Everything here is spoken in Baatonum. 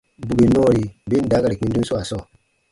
Bù bè nɔɔri ben daakari kpindun swaa sɔɔ,